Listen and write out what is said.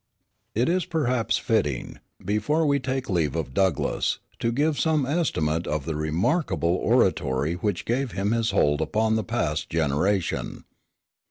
It is perhaps fitting, before we take leave of Douglass, to give some estimate of the remarkable oratory which gave him his hold upon the past generation.